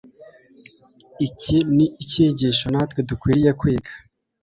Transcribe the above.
Iki ni icyigisho natwe dukwiriye kwiga.